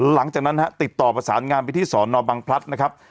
หลังจากนั้นฮะติดต่อประสานงานไปที่สอนอบังพลัดนะครับ